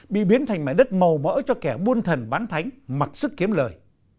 bị biến thành mải đất màu mỡ cho kẻ buôn thần bán thánh mặc sức kiếm lợi